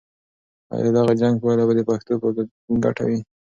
آیا د دغه جنګ پایله به د پښتنو په ګټه وي؟